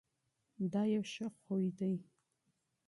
دا یو مثبت عادت دی.